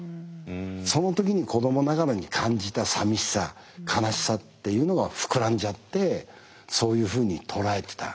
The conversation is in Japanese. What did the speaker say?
その時に子どもながらに感じたさみしさ悲しさっていうのが膨らんじゃってそういうふうに捉えてた。